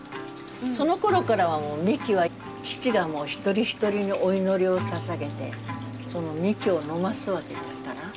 そのころからはみきは父がもう一人一人にお祈りをささげてみきを飲ますわけですから。